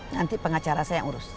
nanti pengacara saya yang urus